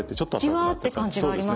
じわって感じがありますね。